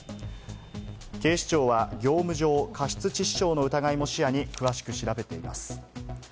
警視庁は業務上過失致死傷の疑いも視野に詳しく調べています。